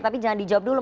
tapi jangan dijawab dulu